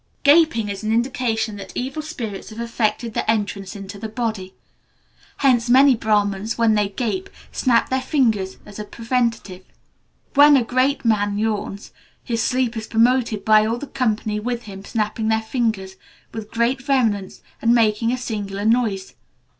Gaping is an indication that evil spirits have effected an entrance into the body. Hence many Brahmans, when they gape, snap their fingers as a preventive. When a great man yawns, his sleep is promoted by all the company with him snapping their fingers with great vehemence, and making a singular noise.